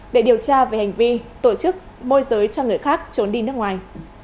để điều tra về hành vi tổ chức môi giới cho người khác trốn đi nước ngoài